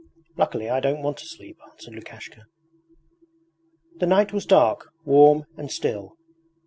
'Luckily I don't want to sleep,' answered Lukashka. The night was dark, warm, and still.